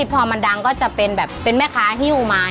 พอมันดังก็จะเป็นแบบเป็นแม่ค้าฮิ้วไม้